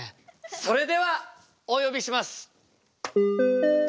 それではお呼びします。